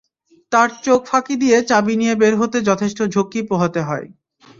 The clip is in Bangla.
তার চোখ ফাঁকি দিয়ে চাবি নিয়ে বের হতে যথেষ্ট ঝক্কি পোহাতে হয়।